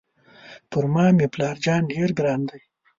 پر ما مې پلار جان ډېر ګران دی.